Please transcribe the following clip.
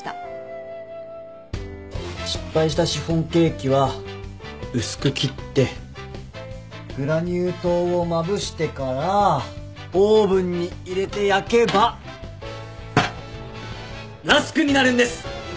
失敗したシフォンケーキは薄く切ってグラニュー糖をまぶしてからオーブンに入れて焼けばラスクになるんです！